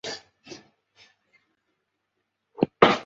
正八面体也是正三角反棱柱。